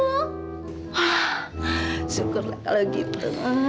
wah syukurlah kalau gitu